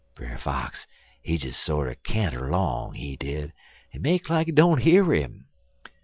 "Brer Fox he des sorter canter long, he did, en make like he don't hear 'im.